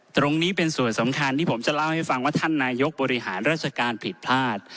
ตรงนี้เป็นส่วนสำคัญที่ผมจะเล่าให้ฟังว่าท่านนายกบริหารราชการผิดพลาด